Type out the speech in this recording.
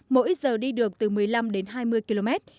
mỗi giờ đi được từ một mươi năm đến hai mươi km